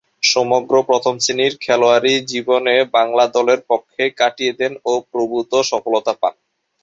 সমগ্র প্রথম-শ্রেণীর খেলোয়াড়ি জীবনে বাংলা দলের পক্ষেই কাটিয়ে দেন ও প্রভূত সফলতা পান।